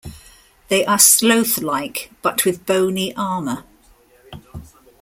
They are sloth-like but with bony armor.